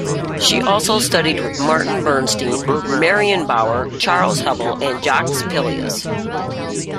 She also studied with Martin Bernstein, Marion Bauer, Charles Haubiel, and Jacques Pillois.